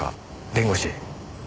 弁護士。